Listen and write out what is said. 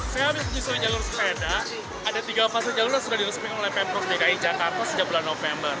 saya habis menyusuri jalur sepeda ada tiga fase jalur yang sudah diresmikan oleh pemprov dki jakarta sejak bulan november